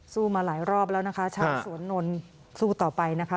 มาหลายรอบแล้วนะคะชาวสวนนนท์สู้ต่อไปนะคะ